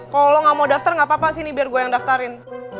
kalo lo gak mau daftar gapapa sini biar gue yang daftarin